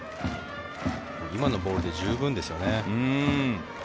今のボールで十分ですよね。